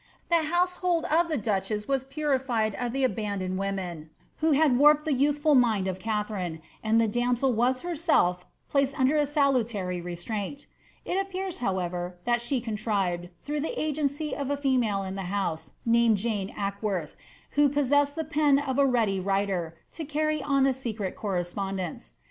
The household of the duchess was purified of the abandoned women who had warped the youthful mind of Katharine, and the damsel was herself placed under a salutary restraint It appears, how ever, that she contrived, through the agency of a female in the house, Buned Jane Acworth, who possessed the pen of a ready writer, to carry OQ a secret correspondence.